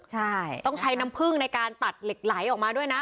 ใช่ต้องใช้น้ำผึ้งในการตัดเหล็กไหลออกมาด้วยนะ